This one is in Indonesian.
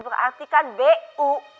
berarti kan bu